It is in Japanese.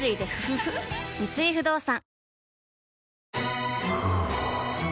三井不動産ふぅ